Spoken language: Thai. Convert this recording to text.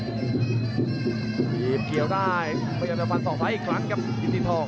จีบเกี่ยวได้พยายามให้น้ำฟันสสอกซ้ายอีกครั้งครับอิสิดอง